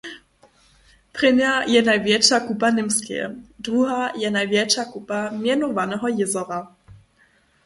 Prěnja je najwjetša kupa Němskeje, druha je najwjetša kupa mjenowaneho jězora.